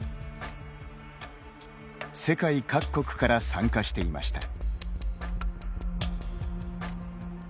世界各国から参加していました。